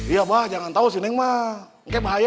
iya mba jangan tau si nenek mba ngga bahaya